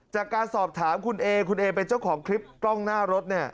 จากการสอบถามคุณเอคุณเอเป็นเจ้าของคลิปกล้องหน้ารถเนี่ย